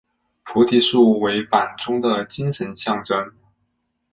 菩提树为板中的精神象征。